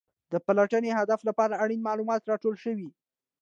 د پلټنې هدف لپاره اړین معلومات راټول شوي.